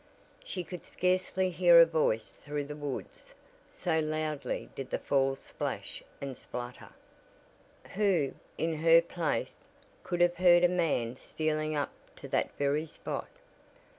She could scarcely hear a voice through the woods, so loudly did the falls splash and splatter. Who, in her place, could have heard a man stealing up to that very spot?